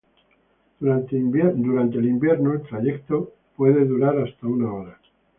Durante invierno el trayecto puede durar hasta una hora.